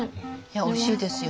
おいしいですよ。